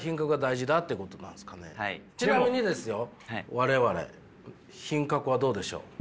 我々品格はどうでしょう？